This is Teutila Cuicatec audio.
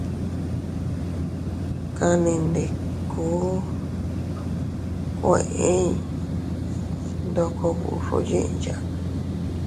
Kannindiku kueʼey ndoko burro yiʼya.